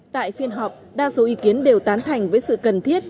tại phiên họp đa số ý kiến đều tán thành với sự cần thiết